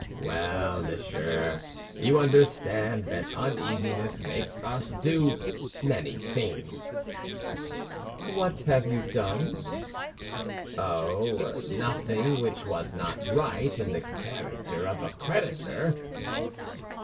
"Well, monsieur, you understand that uneasiness makes us do many things." "What have you done?" "Oh, nothing which was not right in the character of a creditor."